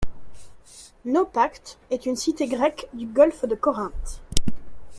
Naupacte est une cité grecque du golfe de Corinthe.